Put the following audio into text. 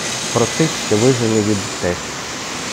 Про тих, що вижили від втеч